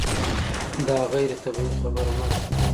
دا غیر طبیعي خبره نه ده.